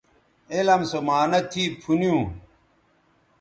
علم سو معانہ تھی پُھنیوں